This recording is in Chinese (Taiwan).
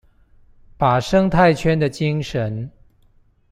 把生態圈的精神